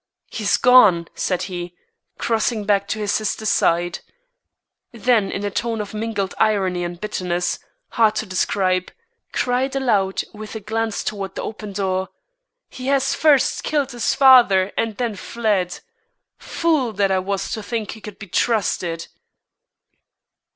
"He is gone," said he, crossing back to his sister's side. Then in a tone of mingled irony and bitterness, hard to describe, cried aloud with a glance toward the open door: "He has first killed his father and then fled. Fool that I was to think he could be trusted!"